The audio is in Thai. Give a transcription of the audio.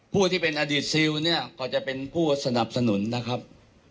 ผู้ที่เป็นอดีตซิลเนี่ยก็จะเป็นผู้สนับสนุนนะครับ